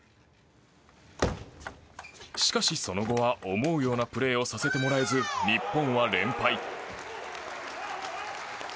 しかし、その後は思うようなプレーをさせてもらえず日本は連敗。